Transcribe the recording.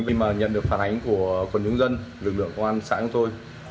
nhưng mà nhận được phản ánh của quần chúng dân lực lượng công an xã của tôi